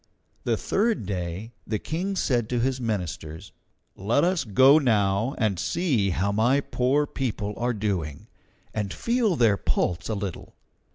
The third day, the King said to his ministers: "Let us go now and see how my poor people are doing, and feel their pulse a little."